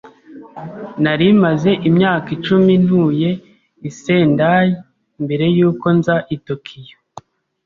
Nari maze imyaka icumi ntuye i Sendai mbere yuko nza i Tokiyo.